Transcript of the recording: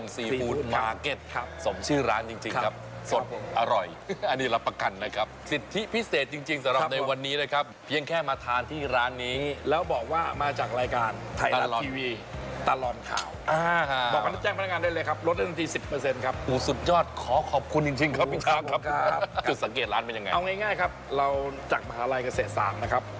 มีความรู้สึกว่ามีความรู้สึกว่ามีความรู้สึกว่ามีความรู้สึกว่ามีความรู้สึกว่ามีความรู้สึกว่ามีความรู้สึกว่ามีความรู้สึกว่ามีความรู้สึกว่ามีความรู้สึกว่ามีความรู้สึกว่ามีความรู้สึกว่ามีความรู้สึกว่ามีความรู้สึกว่ามีความรู้สึกว่ามีความรู้สึกว